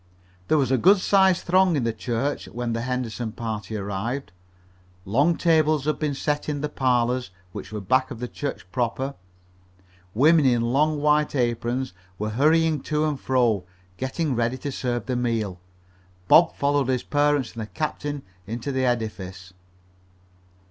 There was a good sized throng in the church when the Henderson party arrived. Long tables had been set in the parlors, which were back of the church proper. Women in long white aprons were hurrying to and fro, getting ready to serve the meal. Bob followed his parents and the captain into the edifice.